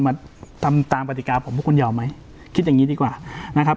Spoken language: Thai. มาทำตามปฏิกาผมว่าคุณยอมไหมคิดอย่างงี้ดีกว่านะครับ